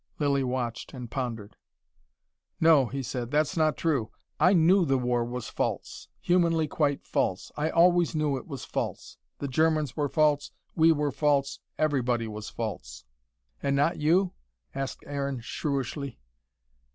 Lilly watched and pondered. "No," he said. "That's not true I KNEW the war was false: humanly quite false. I always knew it was false. The Germans were false, we were false, everybody was false." "And not you?" asked Aaron shrewishly.